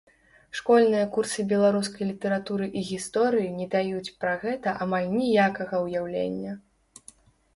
Школьныя курсы беларускай літаратуры і гісторыі не даюць пра гэта амаль ніякага ўяўлення.